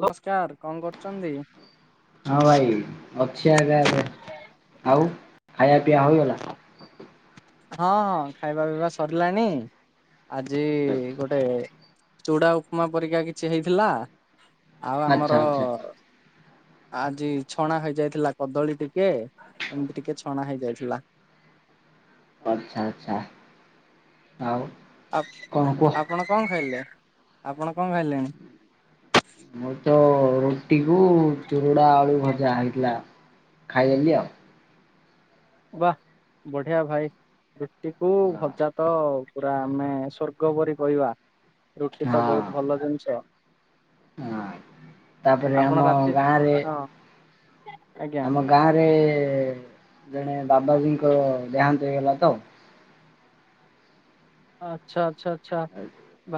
ନମସ୍କାର କଣ କରୁଛନ୍ତି? ହଁ ଭାଇ, ଅଛି ଆକା ଏବେ, ଆଉ ଖାଇବା ପିଇଆ ହେଇଗଲା? ହଁ ହଁ ଖାଇବା ପିଇବା ସରିଲାଣି, ଆଜି ଗୋଟେ ଚୁଡା ଉପମା ପରିକା କିଛି ହେଇଥିଲା ଆଉ ଆଚ୍ଛା ଆମର ଆଚ୍ଛା ଆଜି ଛଣା ହେଇଯାଇଥିଲା କଦଳୀ ଟିକେ ଏମତି ଟିକେ ଛଣା ହେଇଯାଇଥିଲା। ଆଚ୍ଛା ଆଚ୍ଛା ଆଉ? ଆ କଣ କୁହ? ଆପଣ କଣ ଖାଇଲେ ଆପଣ କଣ ଖାଇଲେଣି? ମୁଁ ତ ରୁଟିକୁ ତୁରୁଡ଼ା ଆଳୁ ଭଜା ହେଇଥିଲା, ଖାଇଦେଲି ଆଉ। ବାହ ବଢିଆ ଭାଇ ରୁଟି କୁ ଭଜା ହଁ ତ ପୁରା ଆମେ ସ୍ୱର୍ଗ ପରି କହିବା, ରୁଟି ତ ବହୁତ ଭଲ ହଁ। ଜିନିଷ। ତାପରେ ଆମ ଆପଣ ରାତି, ଗାଁରେ ହଁ ଆଜ୍ଞା ଆମ ଗାଁରେ ଜଣେ ବାବାଜୀଙ୍କ ଦେହାନ୍ତ ହେଇଗଲା ତ ଆଚ୍ଛା ଆଚ୍ଛା ଆଚଛା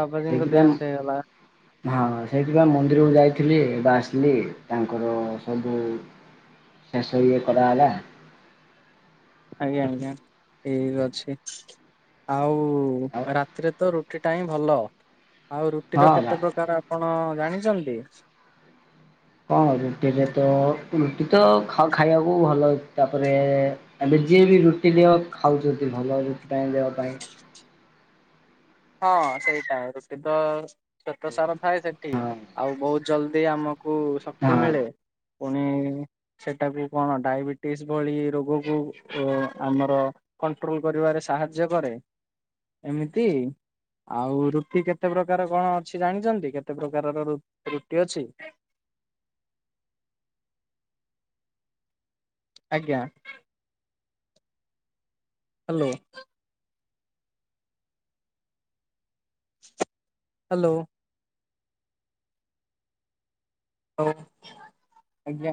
ବାବାଜୀଙ୍କ ସେଇଥିପାଇଁ ଦେହାନ୍ତ ହେଇଗଲା। ହଁ ସେଇଥିପାଇଁ ମନ୍ଦିରକୁ ଯାଇଥିଲି ଏବେ ଆସିଲି ତାଙ୍କର ସବୁ ଶେଷ ଇଏ କରାଗଲା। ଆଜ୍ଞା ଆଜ୍ଞା ଠିକ ଅଛି, ଆଉ ରାତିରେ ତ ର ରୁଟି ଟା ହିଁ ଭଲ, ଆଉ ହଁ ରୁଟିର ବା କେତେ ପ୍ରକାର ଆପଣ ଜାଣିଛନ୍ତି? କଣ ରୁଟିରେ ତ ରୁଟି ତ ଖାଇବାକୁ ଭଲ ଅଛି ତାପରେ ଏବେ ଯିଏ ବି ରୁଟି ନିଅ, ଖାଉଛନ୍ତି ଭଲ ରୁଟି ପାଇଁ ଦେହ ପାଇଁ। ହଁ ସେଇଟା ରୁଟି ତ ଶ୍ଵେତ ସାର ଥାଏ ସେଠି, ଆଉ ବହୁତ ଜଲଦି ଆମକୁ ଶକ୍ତି ହଁ ମିଳେ। ପୁଣି ସେଟା ବି କଣ, ଡାଇବେଟିସ୍ ଭଳି ରୋଗକୁ ଆମର କଣ୍ଟ୍ରୋଲ କରିବାରେ, ସାହାଯ୍ୟ କରେ ଏମିତି ଆଉ ରୁଟି କେତେ ପ୍ରକାର କଣ ଅଛି ଜାଣିଛନ୍ତି? କେତେ ପ୍ରକାରର ରୁଟି ଅଛି? ଆଜ୍ଞା ହାଲୋ ହ୍ୟାଲୋ ହଉ ଆଜ୍ଞା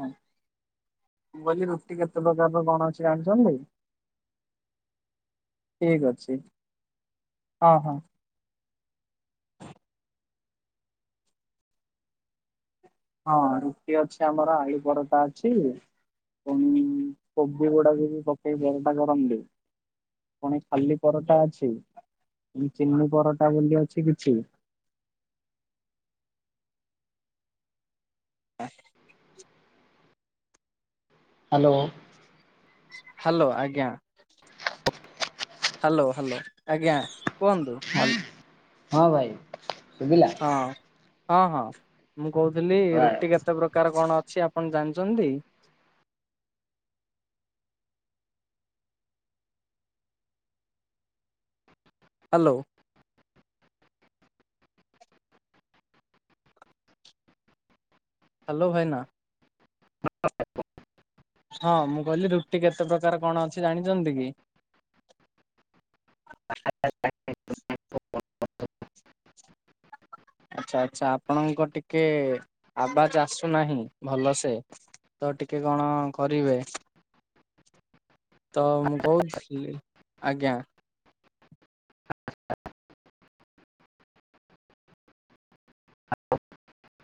ମୁଁ କହିଲି ରୁଟି କେତେ ପ୍ରକାରର କଣ ଅଛି ଜାଣିଛନ୍ତି? ଠିକ୍ ଅଛି ହଁ ହଁ ହଁ ରୁଟି ଅଛି ଆମର, ଆଳୁ ପରଟା ଅଛି। ପୁଣି କୋବି ଗୁଡା ଯୋଉ ପକେଇ ଯନ୍ତା କରନ୍ତି। ପୁଣି ଖାଲି ପରଟା ଅଛି ଚିନି ପରଟା ବୋଲି ଅଛି କିଛି ହ [unintelligible] ହ୍ୟାଲୋ ହ୍ୟାଲୋ ଆଜ୍ଞା ହ୍ୟାଲୋ ହ୍ୟାଲୋ ଆଜ୍ଞା କୁହନ୍ତୁ ହଁ ଭାଇ ଶୁଭିଲା ହଁ ହଁ ହଁ ମୁଁ କହୁଥିଲି ରୁଟି କେତେ ପ୍ରକାର କଣ ଅଛି ଆପଣ ଜାଣିଛନ୍ତି ହ୍ୟାଲୋ ହ୍ୟାଲୋ ଭାଇନା ହଁ ମୁଁ କହିଲି ରୁଟି କେତେ ପ୍ରକାର କଣ ଅଛି ଜାଣିଛନ୍ତି କି ଆଛା ଆଛା ଆପଣଙ୍କ ଟିକେ ଆବାଜ ଆସୁନାହିଁ ଭଲସେ ତ ଟିକେ କଣ କରିବେ। ତ ମୁଁ କହୁଥିଲି ଆଜ୍ଞା।